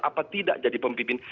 atau tidak jadi pimpin